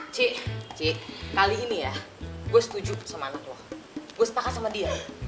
ci ci kali ini ya gue setuju sama anak lo gue setakat sama dia